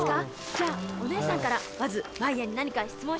じゃあお姉さんからまずマイアに何か質問してください。